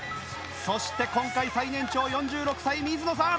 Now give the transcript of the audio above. そして今回最年長４６歳水野さん！